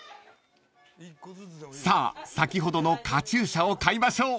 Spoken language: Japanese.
［さあ先ほどのカチューシャを買いましょう］